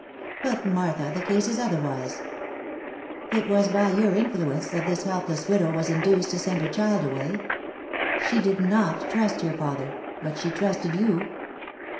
But, Martha! the case is otherwise. It w T as by your influ ence that this helpless widow was induced to send her child away. She did not trust your father, but she trusted you.